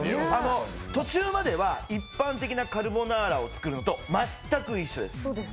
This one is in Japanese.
途中までは一般的なカルボナーラを作るのと全く一緒です。